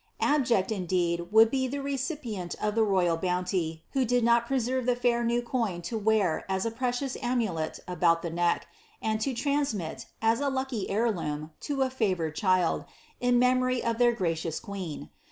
Abject, indeed, would be the recipient of the royal bounty who did not preserve the fair new coin to wear as a precious amulet about the neck, and to transmit, as a lucky heirloom, to a favoured child, in memory of their gracious queen.